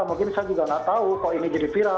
mungkin saya juga tidak tahu kok ini jadi viral